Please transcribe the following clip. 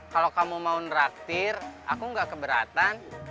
kalau kamu mau neraktir aku gak keberatan